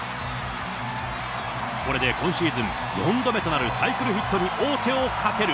これで今シーズン４度目となるサイクルヒットに王手をかける。